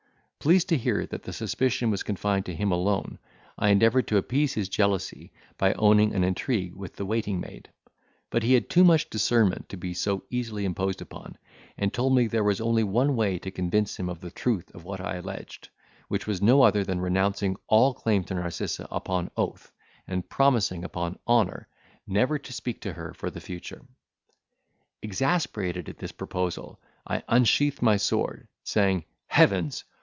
Pleased to hear that the suspicion was confined to him alone, I endeavoured to appease his jealousy, by owning an intrigue with the waiting maid: but he had too much discernment to be so easily imposed upon, and told me there was only one way to convince him of the truth of what I alleged, which was no other than renouncing all claim to Narcissa upon oath, and promising, upon honour, never to speak to her for the future. Exasperated at this proposal, I unsheathed my sword, saying, "Heavens!